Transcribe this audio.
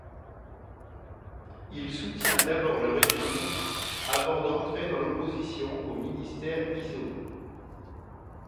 Il soutient d'abord le régime, avant d'entrer dans l'opposition au ministère Guizot.